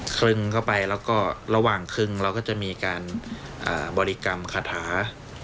ครึ่งเข้าไปแล้วก็ระหว่างครึงเราก็จะมีการบริกรรมคาถา